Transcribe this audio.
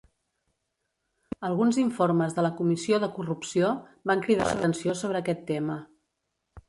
Alguns informes de la comissió de corrupció van cridar l'atenció sobre aquest tema.